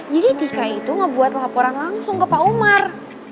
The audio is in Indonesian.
jadi tika itu ngebuat laporan langsung ke pak umar